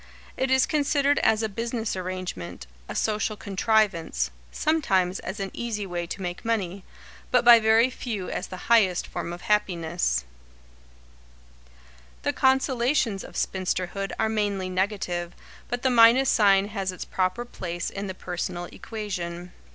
It is considered as a business arrangement, a social contrivance, sometimes as an easy way to make money, but by very few as the highest form of happiness. [Sidenote: Small Extravagances] The consolations of spinsterhood are mainly negative, but the minus sign has its proper place in the personal equation.